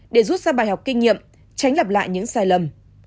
để rút ra bài học kinh nghiệm tránh lặp lại những sai lầm